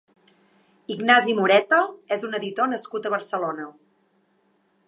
Ignasi Moreta és un editor nascut a Barcelona.